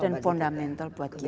dan fundamental buat kita